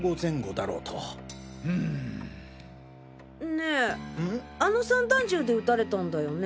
ねぇあの散弾銃で撃たれたんだよね？